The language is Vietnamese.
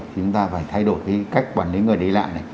thì chúng ta phải thay đổi cái cách quản lý người đi lại này